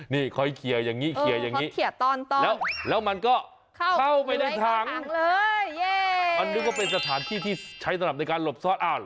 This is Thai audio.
นี่คอยเคียร์อย่างนี้แล้วมันก็เข้าไปในถังอันนี้ก็เป็นสถานที่ที่ใช้สนับในการหลบซ่อดอ่าน